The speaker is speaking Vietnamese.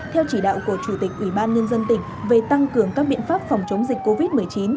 theo chỉ đạo của chủ tịch ủy ban nhân dân tỉnh về tăng cường các biện pháp phòng chống dịch covid một mươi chín